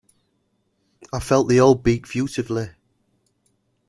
I felt the old beak furtively.